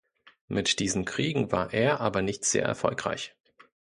Mit diesen Kriegen war er aber nicht sehr erfolgreich.